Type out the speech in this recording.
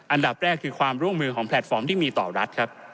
อันดับแรกคือความร่วมมือของแพลตฟอร์มที่มีต่อรัฐครับ